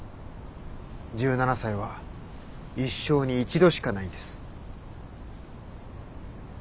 １７才は一生に一度しかないんです。